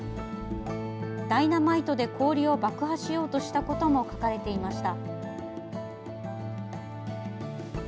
ダイナマイトで氷を爆破しようとしたことも書かれていました。